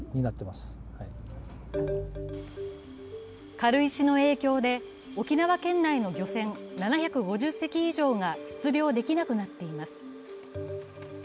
軽石の影響で沖縄県内の漁船７５０隻以上が出漁できなくなっています。